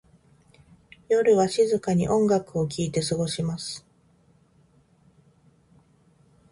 夜は静かに音楽を聴いて過ごします。